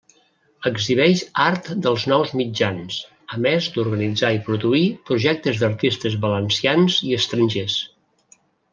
Exhibeix art dels nous mitjans, a més d'organitzar i produir projectes d'artistes valencians i estrangers.